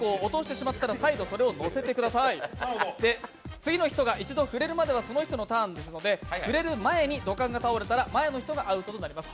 次の人が一度触れるまではその人のターンですので、触れる前に土管が倒れたら前の人がアウトになります。